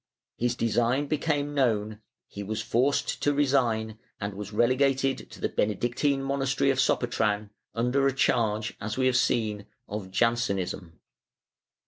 His design became known: he was forced to resign and was relegated to the Bene dictine monastery of Sopetran, under a charge, as we have seen of Jansenism.